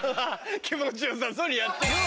気持ち良さそうにやってるわ。